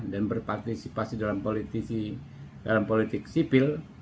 dan berpartisipasi dalam politik sipil